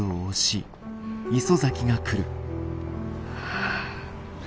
はあ。